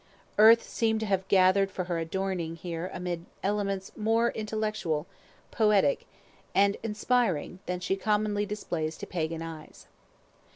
Earth seemed to have gathered for her adorning here elements more intellectual, poetic, and inspiring than she commonly displays to pagan eyes.